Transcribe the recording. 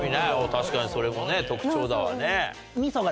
確かにそれもね特徴だわね。